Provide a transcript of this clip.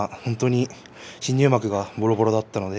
新入幕がボロボロだったので